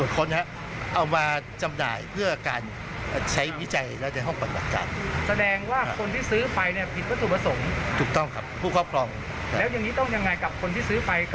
แล้วยังงี้ต้องยังไงกับคนที่ซื้อไป